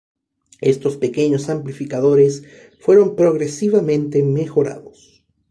Estos pequeños amplificadores fueron progresivamente mejorados.